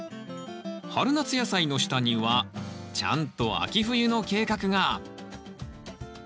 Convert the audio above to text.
春夏野菜の下にはちゃんと秋冬の計画が。